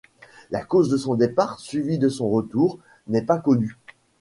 La cause de son départ, suivi de son retour, n’est pas connue.